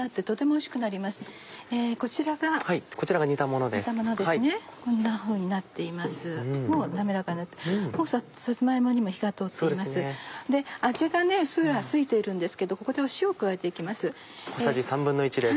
味がうっすら付いているんですけどここで塩を加えて行きます。